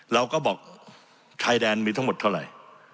เราก็บอกชายแดนมีทั้งหมดเท่าไหร่